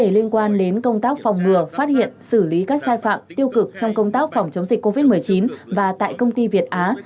liên quan đến công tác phòng ngừa phát hiện xử lý các sai phạm tiêu cực trong công tác phòng chống dịch covid một mươi chín và tại công ty việt á